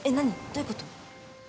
どういうこと？